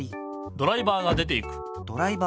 ドライバーが出ていく。